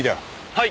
はい。